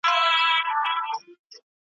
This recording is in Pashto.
د هر پوهنتون اصول له بل سره بېل وي.